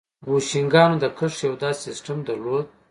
بوشنګانو د کښت یو داسې سیستم درلود.